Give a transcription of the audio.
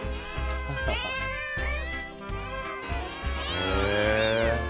へえ。